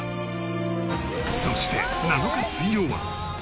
そして７日水曜は。